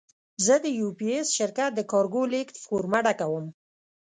زه د یو پي ایس شرکت د کارګو لېږد فورمه ډکوم.